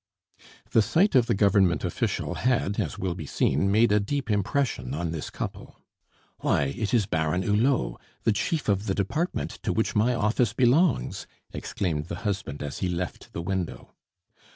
The sight of the Government official had, as will be seen, made a deep impression on this couple. "Why, it is Baron Hulot, the chief of the department to which my office belongs!" exclaimed the husband as he left the window.